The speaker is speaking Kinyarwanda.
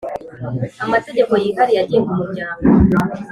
Amategeko yihariye agenga Umuryango